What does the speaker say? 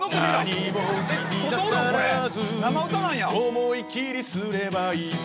「思い切りすればいい」